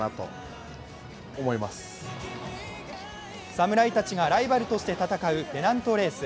侍たちがライバルとして戦うペナントレース